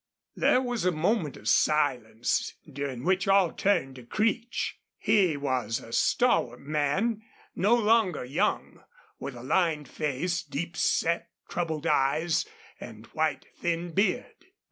There was a moment of silence, during which all turned to Creech. He was a stalwart man, no longer young, with a lined face, deep set, troubled eyes, and white, thin beard.